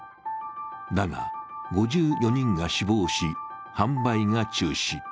だが、５４人が死亡し、販売が中止。